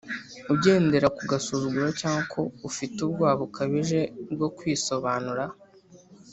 ugendera ku gasuzuguro cyangwa ko ufite ubwoba bukabije bwo kwisobanura?